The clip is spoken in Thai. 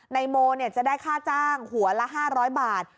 นายโมจะได้ค่าจ้างหัวละ๕๐๐บาท